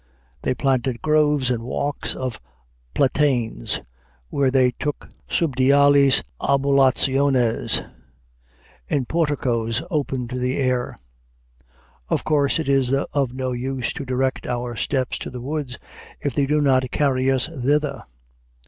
"They planted groves and walks of Platanes," where they took subdiales ambulationes in porticos open to the air. Of course it is of no use to direct our steps to the woods, if they do not carry us thither.